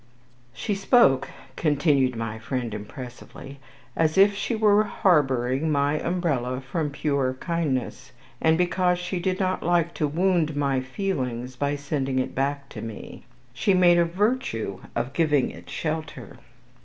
She spoke," continued my friend impressively, "as if she were harbouring my umbrella from pure kindness, and because she did not like to wound my feelings by sending it back to me. She made a virtue of giving it shelter."